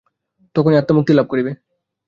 তখনই আত্মা মুক্তি লাভ করিবে।